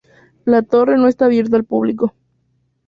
La torre no está abierta al público.